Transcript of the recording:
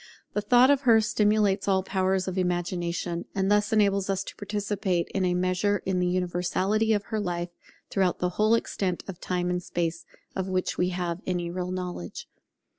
The thought of her stimulates all the powers of Imagination, and thus enables us to participate in a measure in the universality of her life, throughout the whole extent of Time and Space of which we have any real knowledge.